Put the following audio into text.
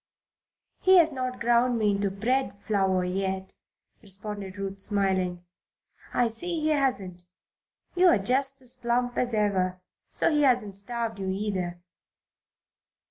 "He has not ground me into bread flour yet," responded Ruth, smiling. "I see he hasn't. You're just as plump as ever, so he hasn't starved you, either.